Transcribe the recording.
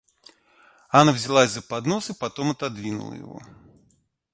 Анна взялась за поднос и потом отодвинула его.